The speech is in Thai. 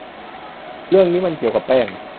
เรื่องนี้มันเกี่ยวกับแป้ง